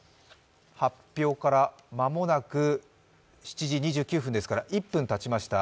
発表から間もなく、７時２９分ですから、１分たちました。